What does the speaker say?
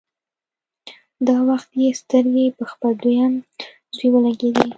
دا وخت يې سترګې په خپل دويم زوی ولګېدې.